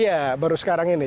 iya baru sekarang ini